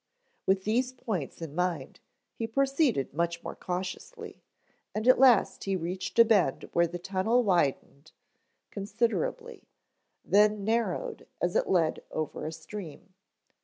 With these points in mind he proceeded much more cautiously, and at last he reached a bend where the tunnel widened considerably, then narrowed as it led over a stream.